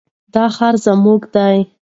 دا ښار زموږ دی.